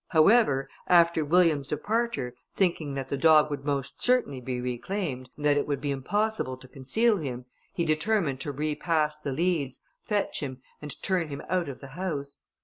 However, after William's departure, thinking that the dog would most certainly be reclaimed, and that it would be impossible to conceal him, he determined to repass the leads, fetch him, and turn him out of the house.